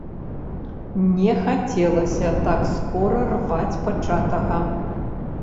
Не хацелася так скора рваць пачатага.